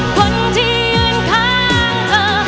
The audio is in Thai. คนที่ยืนข้างเธอ